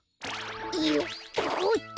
よっほっと！